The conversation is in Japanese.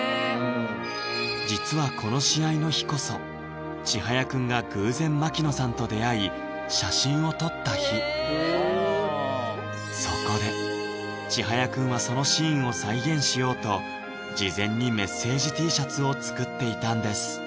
実はこの試合の日こそちはやくんが偶然槙野さんと出会い写真を撮った日そこでちはやくんはそのシーンを再現しようと事前にメッセージＴシャツを作っていたんです